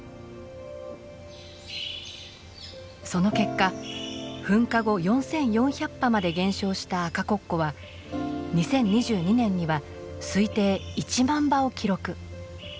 その結果噴火後４，４００羽まで減少したアカコッコは２０２２年には推定１万羽を記録。